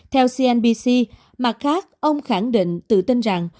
theo cnbc mặt khác ông khẳng định tự tin rằng